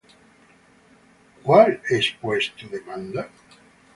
¿Cuál es pues tu demanda?